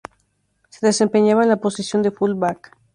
Se desempeñaba en la posición de fullback.